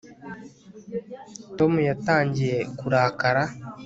tom yatangiye kurakara